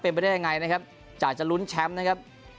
เป็นไปได้ยังไงนะครับจากจะลุ้นแชมป์นะครับ